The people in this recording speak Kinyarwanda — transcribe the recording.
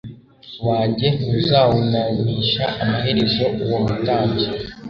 wanjye ntuzawunamisha Amaherezo uwo mutambyi